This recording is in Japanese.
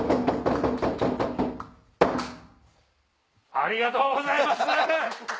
ありがとうございます！